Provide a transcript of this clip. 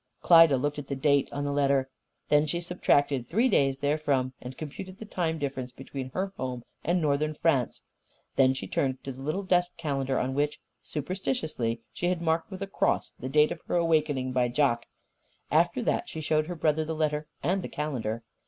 Klyda looked at the date on the letter. Then she subtracted three days therefrom and computed the time difference between her home and northern France. Then she turned to the little desk calendar on which, superstitiously, she had marked with a cross the date of her awakening by Jock. After that she showed her brother the letter and the calendar.